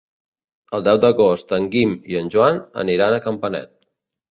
El deu d'agost en Guim i en Joan aniran a Campanet.